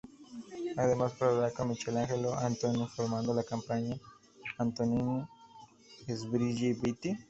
Además, colaboró con Michelangelo Antonioni formando la compañía Antonioni-Sbragia-Vitti.